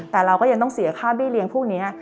แต่เราก็ยังต้องเสียค่าเบี้เลี้ยงพวกนี้